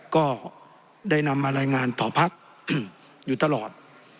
ก็ได้นำมารายงานต่อพักอยู่ตลอด